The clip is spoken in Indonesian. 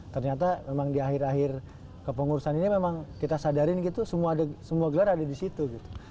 ternyata memang di akhir akhir kepengurusan ini memang kita sadarin gitu semua gelar ada di situ gitu